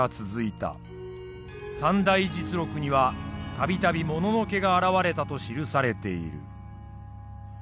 「三代実録」には「度々物の怪が現れた」と記されている。